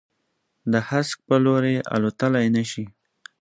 د هسک په لوري، الوتللای نه شي